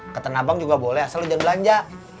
ketan abang juga boleh asal lo jangan belanja